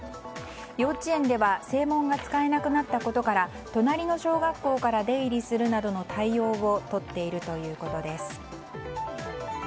幼稚園では正門が使えなくなったことから隣の小学校から出入りするなどの対応をとっているということです。